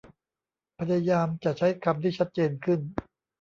พยายามจะใช้คำที่ชัดเจนขึ้น